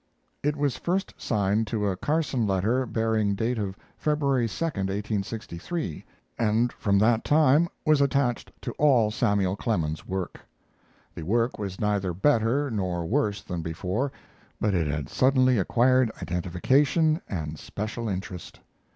It was first signed to a Carson letter bearing date of February 2, 1863, and from that time was attached to all Samuel Clemens's work. The work was neither better nor worse than before, but it had suddenly acquired identification and special interest.